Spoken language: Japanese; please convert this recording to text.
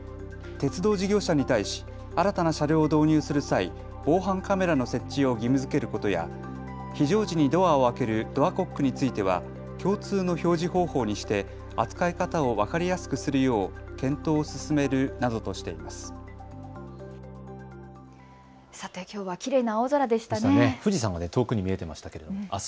鉄道事業者に対し新たな車両を導入する際防犯カメラの設置を義務づけることや非常時にドアを開けるドアコックについては共通の表示方法にして扱い方を分かりやすくするよう検討を進めるなどとしています。